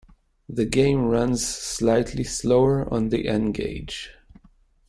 The game runs slightly slower on the N-Gage.